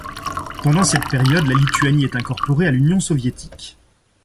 Pendant cette période la Lituanie est incorporée à l'Union soviétique.